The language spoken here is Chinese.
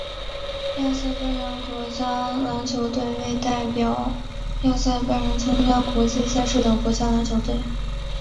亚塞拜然国家篮球队为代表亚塞拜然参加国际赛事的国家篮球队。